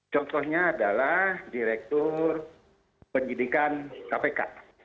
contohnya adalah direktur penyidikan kpk